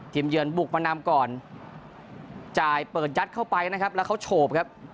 เยือนบุกมานำก่อนจ่ายเปิดยัดเข้าไปนะครับแล้วเขาโฉบครับ